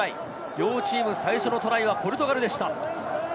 両チーム最初のトライはポルトガルでした。